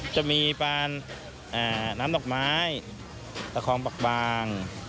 จะมีปานน้ำดอกไม้ตะคองบักบาง